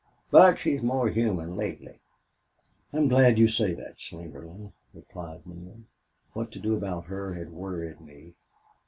But she's more human lately." "I'm glad you say that, Slingerland," replied Neale. "What to do about her had worried me.